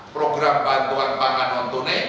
program bantuan bank non tuning